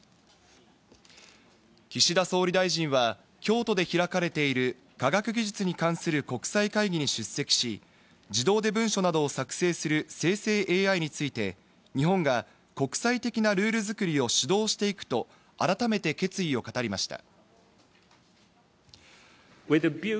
岸田総理大臣は京都で開かれている科学技術に関する国際会議に出席し、自動で文書などを作成する生成ＡＩについて、日本が国際的なルール作りを指導していくと改めて決意を語りました。